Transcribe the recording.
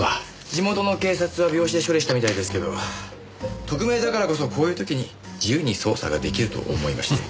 地元の警察は病死で処理したみたいですけど特命だからこそこういう時に自由に捜査が出来ると思いまして。